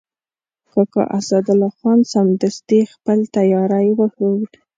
کاکا اسدالله خان سمدستي خپل تیاری وښود.